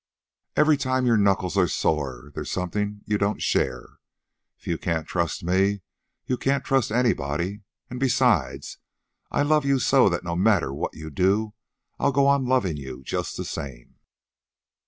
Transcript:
Every time your knuckles are sore, there's something you don't share. If you can't trust me, you can't trust anybody. And, besides, I love you so that no matter what you do I'll go on loving you just the same."